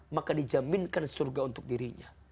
maka dijaminkan surga untuk dirinya